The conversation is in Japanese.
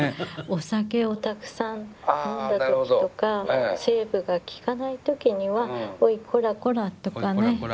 お酒をたくさん飲んだ時とかセーブがきかない時にはおいこらこら！とかね。